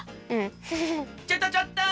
ちょっとちょっと！